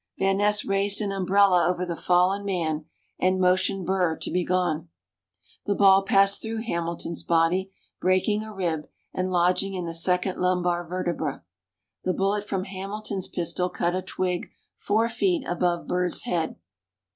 Van Ness raised an umbrella over the fallen man, and motioned Burr to be gone. The ball passed through Hamilton's body, breaking a rib, and lodging in the second lumbar vertebra. The bullet from Hamilton's pistol cut a twig four feet above Burr's head.